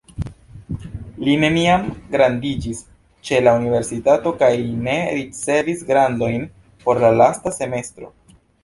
Li neniam gradiĝis ĉe la universitato kaj ne ricevis gradojn por la lasta semestro.